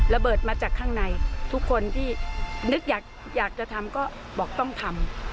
ระเบิดมาจากข้างในทุกคนที่นึกอยากจะทำก็บอกต้องทำ